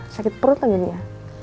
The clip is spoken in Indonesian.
sakit perut lagi dia